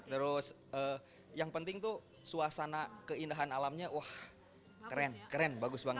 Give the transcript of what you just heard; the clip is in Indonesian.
terus yang penting tuh suasana keindahan alamnya wah keren keren bagus banget